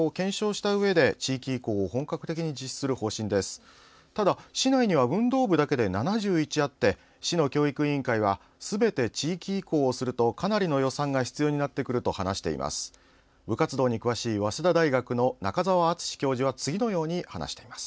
ただ、市内には運動部だけで７１もあって市の教育委員会はすべて地域移行をするとかなりの予算が必要になってくると話しています。